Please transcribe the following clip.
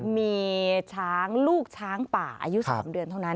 มีช้างลูกช้างป่าอายุ๓เดือนเท่านั้น